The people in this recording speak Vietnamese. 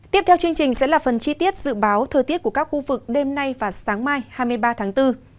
tiếp theo chương trình sẽ là phần chi tiết dự báo thời tiết của các khu vực đêm nay và sáng mai hai mươi ba tháng bốn